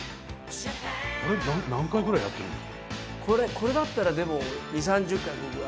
これだったらでも２０３０回僕は。